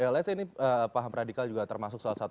lihat saya ini paham radikal juga termasuk salah satu